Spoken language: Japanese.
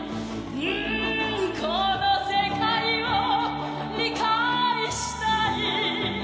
この世界を理解したい